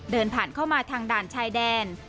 เดินผ่านเข้ามาทางด่านชายแดน